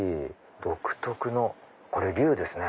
独特のこれ竜ですね。